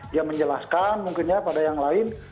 dia menjelaskan mungkin ya pada yang lain